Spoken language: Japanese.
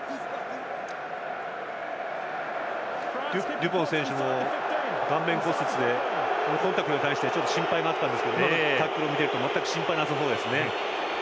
デュポン選手の顔面骨折でコンタクトに対して心配があったんですが今のタックルを見ていると全く心配なさそうですね。